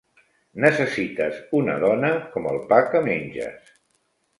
Necessites una dona com el pa que menges.